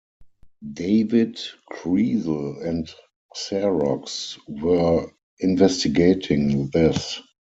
David Kriesel and Xerox were investigating this.